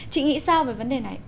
chị nghĩ sao về vấn đề này